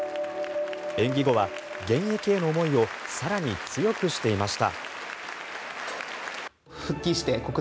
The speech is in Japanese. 演技後は現役への思いを更に強くしていました。